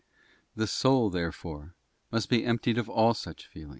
The soul, therefore, must be emptied of all such feelings ; and, Iv.